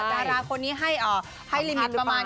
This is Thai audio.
ดาราคนนี้ให้ลิมิตประมาณแค่ไหน